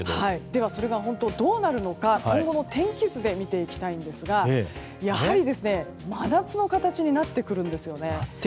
では、それがどうなるのか今後の天気図で見ていきたいんですがやはり、真夏の形になってくるんですよね。